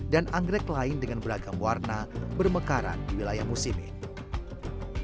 dan anggrek lain dengan beragam warna bermekaran di wilayah musim ini